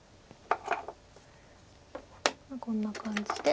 こんな感じで。